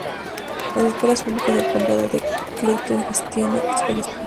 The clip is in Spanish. Las Escuelas Públicas del Condado de Clayton gestiona escuelas públicas.